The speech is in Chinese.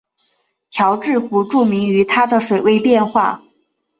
乔治湖著名于它的水位变化。